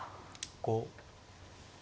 ５。